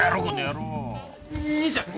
兄ちゃん。